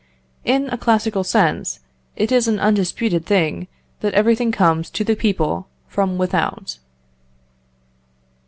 In a classical sense, it is an undisputed thing that everything comes to the people from without.